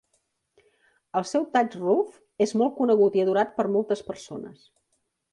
El seu Thatch Roof és molt conegut i adorat per moltes persones.